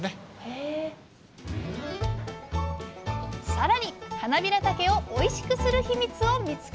さらにはなびらたけをおいしくする秘密を見つけました。